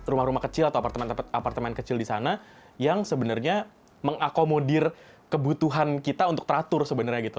rumah rumah kecil atau apartemen apartemen kecil di sana yang sebenarnya mengakomodir kebutuhan kita untuk teratur sebenarnya gitu